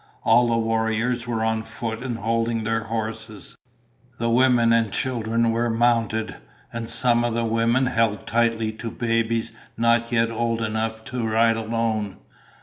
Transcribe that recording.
All the warriors were on foot and holding their horses. The women and children were mounted, and some of the women held tightly to babies not yet old enough to ride alone.